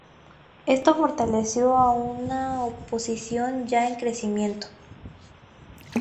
Esto fortaleció a una oposición ya en crecimiento.